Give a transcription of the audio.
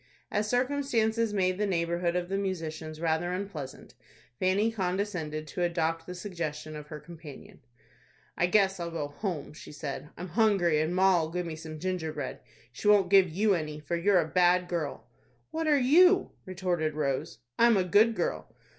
As circumstances made the neighborhood of the musicians rather unpleasant, Fanny condescended to adopt the suggestion of her companion. "I guess I'll go home," she said. "I'm hungry, and ma'll give me some gingerbread. She won't give you any, for you're a bad girl." "What are you?" retorted Rose. "I'm a good girl."